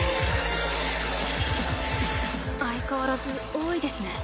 相変わらず多いですね。